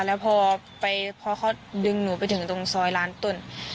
แล้วพอเขาดึงหนูไปถึงตรงซอยร้านต้น